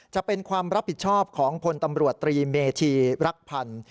จะเป็นความรับผิดชอบของพลตำรวจตรีเมธีรักพันธ์